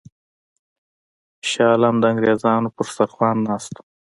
شاه عالم د انګرېزانو پر سترخوان ناست وو.